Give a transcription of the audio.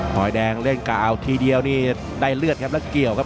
แดงเล่นกะเอาทีเดียวนี่ได้เลือดครับแล้วเกี่ยวครับ